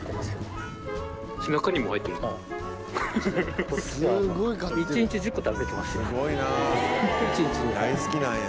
すごいな。